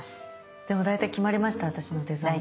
でも大体決まりました私のデザイン。